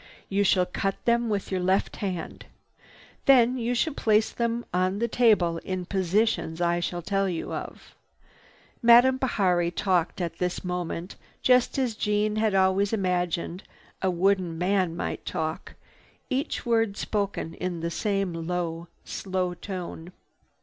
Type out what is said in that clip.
You shall cut them with your left hand. Then you shall place them on the table in positions I shall tell you of." Madame Bihari talked at this moment just as Jeanne had always imagined a wooden man might talk, each word spoken in the same low, slow tone.